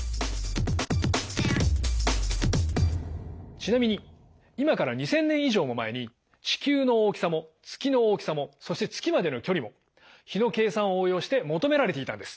ちなみに今から２，０００年以上も前に地球の大きさも月の大きさもそして月までの距離も比の計算を応用して求められていたんです。